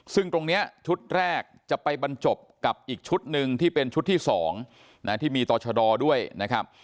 ซึ่งตรงนี้ชุดแรกจะไปบรรจบกับอีกชุดหนึ่งที่เป็นชุดที่๒ที่มีต่อชะดอด้วยนะครับ